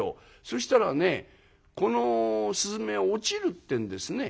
そしたらねこの雀落ちるってんですね」。